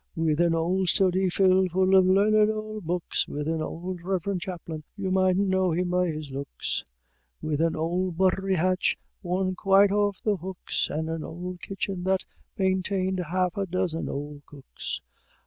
With an old study fill'd full of learned old books, With an old reverend chaplain, you might know him by his looks, With an old buttery hatch worn quite off the hooks, And an old kitchen that maintained half a dozen old cooks.